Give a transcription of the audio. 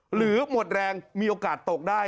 หรือหมดแรงมีโอกาสตกได้